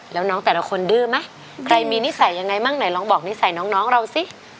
แล้วน้องแต่ละคนดื้อไหมใครมีนิสัยยังไงบ้างไหนลองบอกนิสัยน้องเราสิ